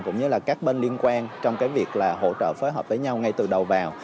cũng như là các bên liên quan trong cái việc là hỗ trợ phối hợp với nhau ngay từ đầu vào